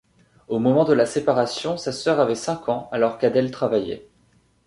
Au moment de la séparation, sa sœur avait cinq ans alors qu'Adèle travaillait.